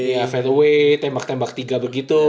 iya fatway tembak tembak tiga begitu